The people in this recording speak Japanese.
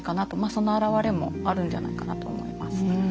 その表れもあるんじゃないかなと思います。